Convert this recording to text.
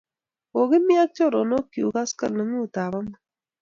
Kokimi ak choronok chuk koskoling'ut ap amut